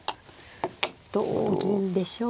同銀でしょうか。